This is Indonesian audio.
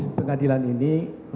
untuk pengadilan ini